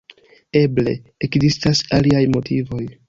Eble, ekzistas aliaj motivoj.